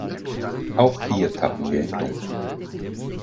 Auch hier tappen wir im dunkeln.